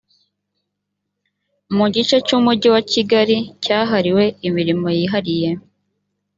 mu gice cy umujyi wa kigali cyahariwe imirimo yihariye